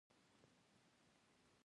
هریرود سیند جام منار ته څومره نږدې دی؟